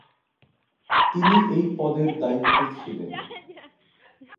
তিনি এই পদের দায়িত্বে ছিলেন।